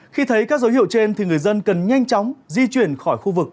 khi thấy các dấu hiệu trên thì người dân cần nhanh chóng di chuyển khỏi khu vực